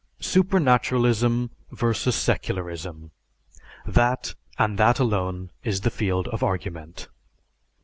Supernaturalism vs. Secularism that, and that alone is the field of argument.